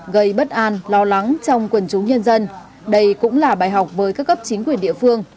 gây bất an lo lắng trong quần chúng nhân dân đây cũng là bài học với các cấp chính quyền địa phương